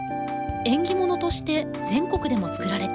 縁起物として全国でも作られています。